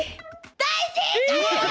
大正解よ！